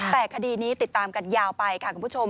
แต่คดีนี้ติดตามกันยาวไปค่ะคุณผู้ชม